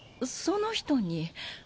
その人に？